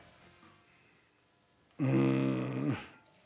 うん。